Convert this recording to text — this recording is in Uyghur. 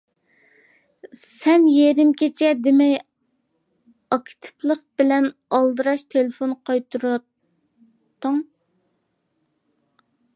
سەن يېرىم كېچە دېمەي ئاكتىپلىق بىلەن ئالدىراش تېلېفون قايتۇراتتىڭ.